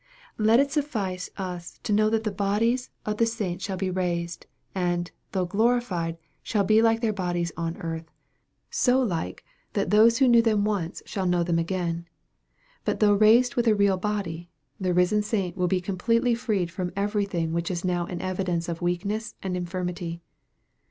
Let it suffice us tc know that the bodies of the MARK, CHAP. XII. 259 Baints shall be raised, and, though glorified, shall be like their bodies on earth so like, that those who knew them once shall know them again. But though raised with a real body, the risen saint will be completely freed from every thing which is now an evidence of weakness and infirmity.